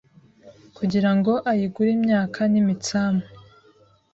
kugira ngo ayigure imyaka n’imitsama